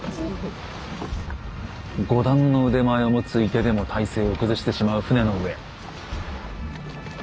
五段の腕前を持つ射手でも体勢を崩してしまう船の上。